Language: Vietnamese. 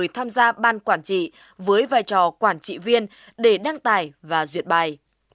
một mươi tham gia ban quản trị với vai trò quản trị viên để đăng tải và duyệt bài